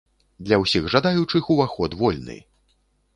Для ўсіх жадаючых уваход вольны!